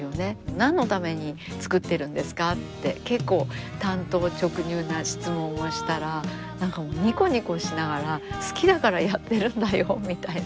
「何のために作ってるんですか？」って結構単刀直入な質問をしたら何かもうニコニコしながら「好きだからやってるんだよ」みたいな。